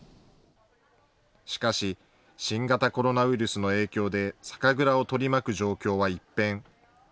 しかし、新型コロナウイルスの影響で酒蔵を取り巻く状況は一変。